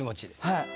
はい。